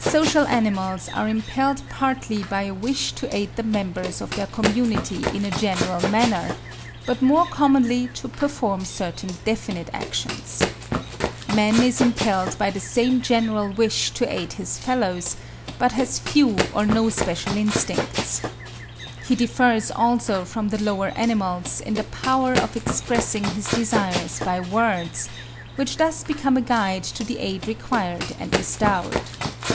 Social animals are impelled partly by a wish to aid the members of their community in a general manner, but more commonly to perform certain definite actions. Man is impelled by the same general wish to aid his fellows; but has few or no special instincts. He differs also from the lower animals in the power of expressing his desires by words, which thus become a guide to the aid required and bestowed.